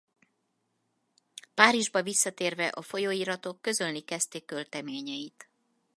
Párizsba visszatérve a folyóiratok közölni kezdték költeményeit.